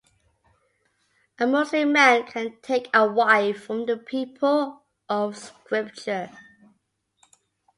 A Muslim man can take a wife from the people of Scripture.